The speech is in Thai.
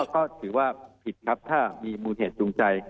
ก็ถือว่าผิดครับถ้ามีมูลเหตุจูงใจ